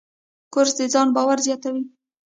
کورس د ځان باور زیاتوي.